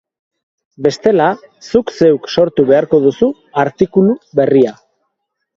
Bestela, zuk zeuk sortu beharko duzu artikulu berria.